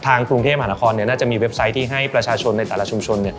กรุงเทพมหานครน่าจะมีเว็บไซต์ที่ให้ประชาชนในแต่ละชุมชน